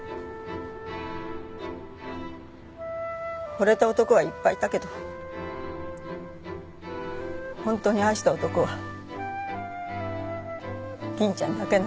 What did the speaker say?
惚れた男はいっぱいいたけど本当に愛した男は銀ちゃんだけなの。